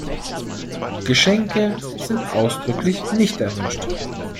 Geschenke sind ausdrücklich nicht erwünscht.